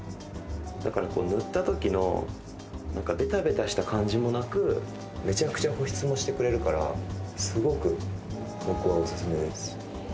だから塗った時のベタベタした感じもなくめちゃくちゃ保湿もしてくれるからすごく僕はオススメです。